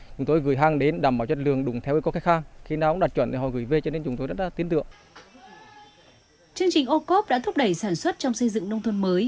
chương trình ô cốp đã thúc đẩy sản xuất trong xây dựng nông thôn mới